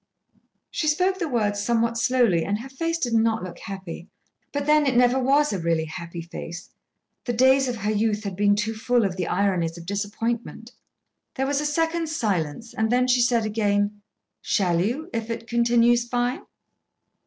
She spoke the words somewhat slowly, and her face did not look happy. But, then, it never was a really happy face. The days of her youth had been too full of the ironies of disappointment. There was a second's silence, and then she said again: "Shall you, if it continues fine?"